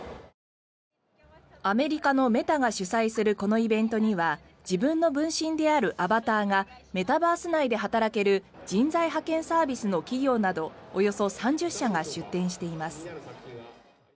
アメリカのメタが主催するこのイベントには自分の分身であるアバターがメタバース内で働ける人材派遣サービスの企業などおよそ３０社が出展しています。